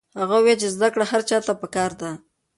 هغه وویل چې زده کړه هر چا ته پکار ده.